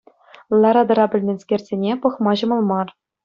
Лара-тӑра пӗлменскерсене пӑхма ҫӑмӑл мар.